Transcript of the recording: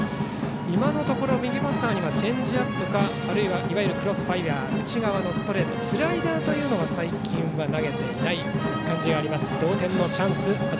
今のところ右バッターにはチェンジアップかあるいはいわゆるクロスファイアー内側のストレートスライダーというのは最近は投げていない感じです。